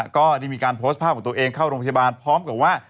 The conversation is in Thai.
ก็ได้มีการโพสต์ภาพของตัวเองเข้าโรงพยาบาลพร้อมกับว่า